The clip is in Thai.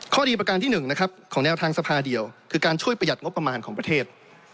ดีประการที่๑นะครับของแนวทางสภาเดียวคือการช่วยประหยัดงบประมาณของประเทศ